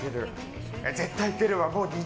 絶対行けるわ。